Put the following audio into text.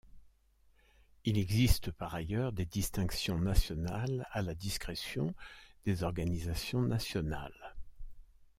Il existe par ailleurs des distinctions nationales à la discrétion des organisations nationales.